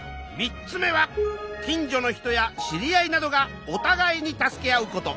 ３つ目は近所の人や知り合いなどがお互いに助け合うこと。